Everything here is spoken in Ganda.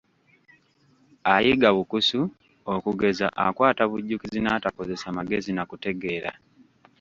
Ayiga bukusu, okugeza; akwata bujjukizi n'atakozesa magezi na kutegeera.